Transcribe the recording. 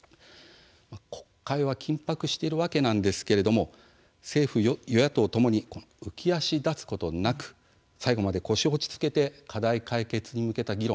国会は緊迫しているわけなんですが政府与野党ともに浮き足だつことなく最後まで腰を落ち着けて課題解決に向けた議論